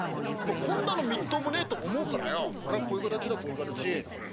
こんなのみっともねえと思うからよ俺はこういう形だこういう形。